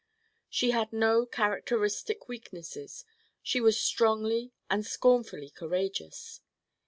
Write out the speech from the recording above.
She had no characteristic weaknesses she was strongly and scornfully courageous.